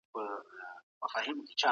زما هدف له پورته بحث څخه دا دی، چي جهالت